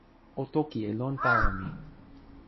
o toki e lon tawa mi.